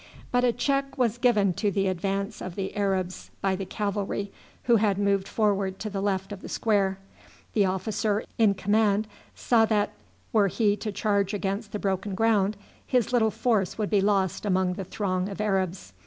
But a check was given to the advance of the Arabs by the cavalry, who had moved forward to the left of the square. The officer in command saw that were he to charge across the broken ground his little force would be lost among the throng of Arabs.